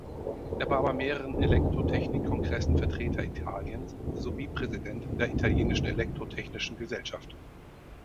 Er war bei mehreren Elektrotechnik-Kongressen Vertreter Italiens sowie Präsident der Italienischen Elektrotechnischen Gesellschaft.